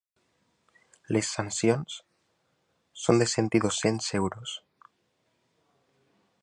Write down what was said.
Les sancions són de cent i dos-cents euros.